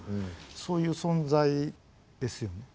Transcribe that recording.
そういう存在ですよね。